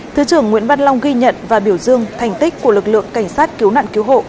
thứ trưởng nguyễn văn long ghi nhận và biểu dương thành tích của lực lượng cảnh sát cứu nạn cứu hộ